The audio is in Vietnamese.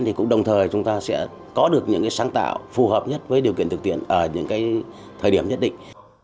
thì cũng đồng thời chúng ta sẽ có được những sáng tạo phù hợp nhất với điều kiện thực tiễn ở những cái thời điểm nhất định